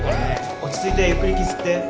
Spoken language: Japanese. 落ち着いてゆっくり息吸って。